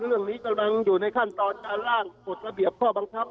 เรื่องนี้กำลังอยู่ในขั้นตอนการล่างกฎระเบียบข้อบังคับ